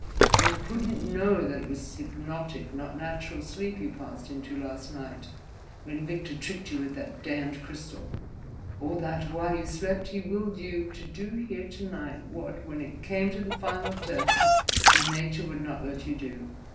You couldn't know that it was hypnotic not natural sleep you passed into last night, when Victor tricked you with that damned crystal, or that, while you slept, he willed you to do here to night what, when it came to the final test, your nature would not let you do."